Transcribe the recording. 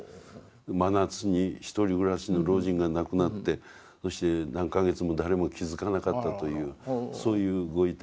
真夏に１人暮らしの老人が亡くなってそして何か月も誰も気付かなかったというそういうご遺体。